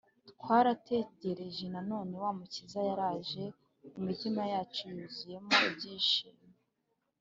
twarategereje none wa mukiza yaraje imitima yacu yuzuyemo ibyishimo.